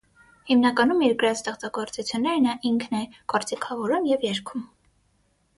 Հիմնականում իր գրած ստեղծագործությունները նա ինքն է գործիքավորում և երգում։